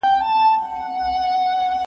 زه به اوږده موده قلم استعمالوم کړی وم!!